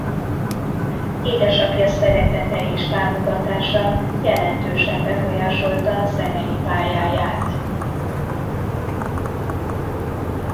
Édesapja szeretete és támogatása jelentősen befolyásolta zenei pályáját.